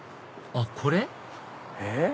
あっこれ？